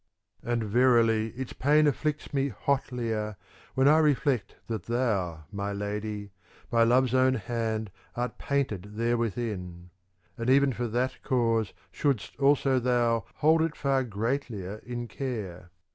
And verily its ^ pain afflicts me hotlier When I reflect that thou, my lady, by love's own hand art painted therewithin : and even for that cause shouldst also thou hold it far greatlier in care ;, for 1 The gallant man.